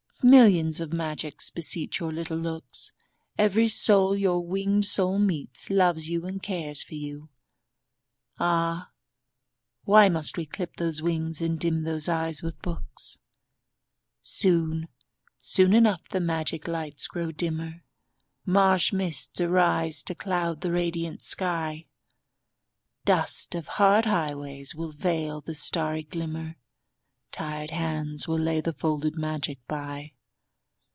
Millions of magics beseech your little looks; Every soul your winged soul meets, loves you and cares for you. Ah! why must we clip those wings and dim those eyes with books? Soon, soon enough the magic lights grow dimmer, Marsh mists arise to cloud the radiant sky, Dust of hard highways will veil the starry glimmer, Tired hands will lay the folded magic by.